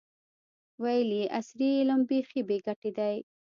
ویل یې عصري علم بیخي بې ګټې دی.